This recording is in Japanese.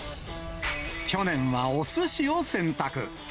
去年はおすしを選択。